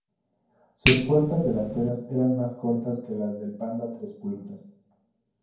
Sus puertas delanteras eran más cortas que las del Panda tres puertas.